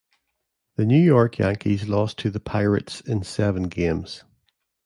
The New York Yankees lost to the Pirates in seven games.